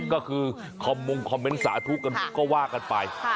ก็คือคอมมงคอมเมนต์สาธุกันก็ว่ากันไป